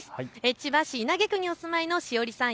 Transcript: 千葉市稲毛区にお住まいのしおりさん